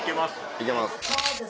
いけます。